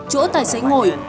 chỗ tài xế ngồi